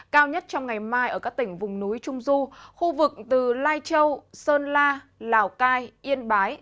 cao nhất trong ngày mai ở các tỉnh vùng núi trung du khu vực từ lai châu sơn la lào cai yên bái